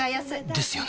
ですよね